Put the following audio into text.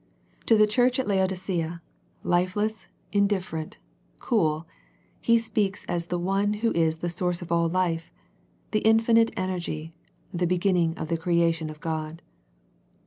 To the church at Laodicea, lifeless, indiffer ent, cool. He speaks as the One Who is the Source of all life, the infinite Energy, the be ginning of the creation of God.